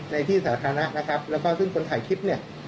ในที่สาธารณะนะครับแล้วก็ซึ่งคนถ่ายคลิปเนี่ย